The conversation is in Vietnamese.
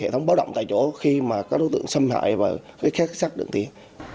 hệ thống báo động tại chỗ khi các đối tượng xâm hại và khách sát đường tiến